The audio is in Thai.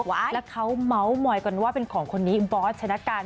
แล้วเขาเมาส์มอยกันว่าเป็นของคนนี้บอสชนะการ